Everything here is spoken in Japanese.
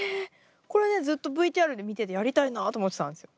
これねずっとＶＴＲで見ててやりたいなと思ってたんですよ。